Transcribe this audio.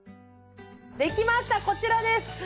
できましたこちらです。